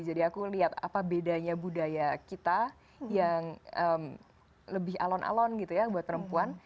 jadi aku lihat apa bedanya budaya kita yang lebih alon alon gitu ya buat perempuan